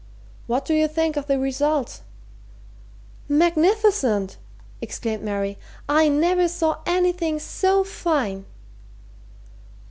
"What do you think of the results?" "Magnificent!" exclaimed Mary. "I never saw anything so fine!"